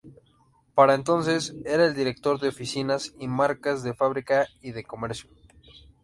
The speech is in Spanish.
Para entonces era el Director de Oficinas y Marcas de Fábrica y de Comercio.